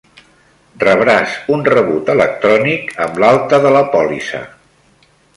Rebràs un rebut electrònic amb l'alta de la pòlissa.